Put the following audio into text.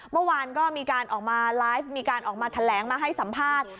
เมื่อวานก็มีการออกมาไลฟ์มีการออกมาแถลงมาให้สัมภาษณ์